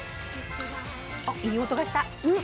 あいい音がした。